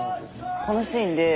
このシーンでえ！